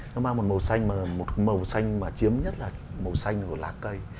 nó mang một màu xanh mà chiếm nhất là màu xanh của lá cây